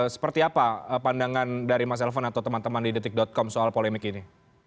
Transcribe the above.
seperti apa pandangan dari mas elvan atau teman teman di detik com soal polemik ini